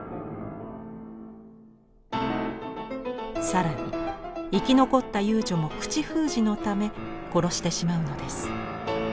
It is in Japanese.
更に生き残った遊女も口封じのため殺してしまうのです。